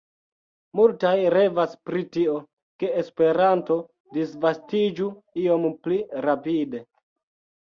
Multaj revas pri tio, ke Esperanto disvastiĝu iom pli rapide.